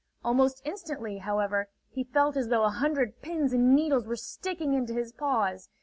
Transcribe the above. Almost instantly, however, he felt as though a hundred pins and needles were sticking into his paws.